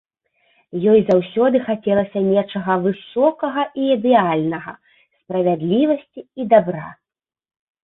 Ёй заўсёды хацелася нечага высокага і ідэальнага, справядлівасці і дабра.